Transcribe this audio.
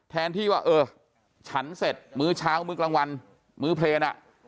แทนที่ว่าเออฉันเสร็จมื้อเช้ามื้อกลางวันมื้อเพลงอ่ะ